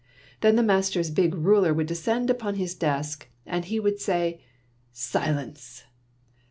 Then the master's big ruler would descend upon his desk, and he would say, —'' Silence